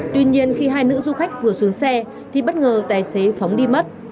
tuy nhiên khi hai nữ du khách vừa xuống xe thì bất ngờ tài xế phóng đi mất